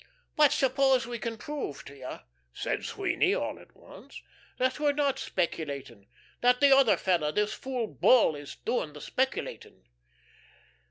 "But suppose we can prove to you," said Sweeny, all at once, "that we're not speculating that the other fellow, this fool Bull is doing the speculating?"